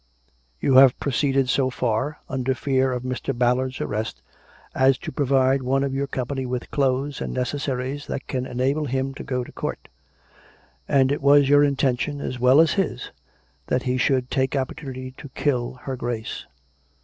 You have proceeded so far, under fear of Mr. Ballard's arrest, as to provide one of your company with clothes and necessaries that can enable him to go to court; and it was your inten tion, as well as his, that he should take opportunity to kill her Grace.